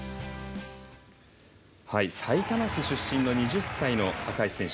さいたま市出身の２０歳の赤石選手。